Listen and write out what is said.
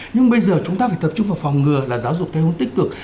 nhưng bây giờ chúng ta phải tập trung vào phòng ngừa là giáo dục theo hướng tích cực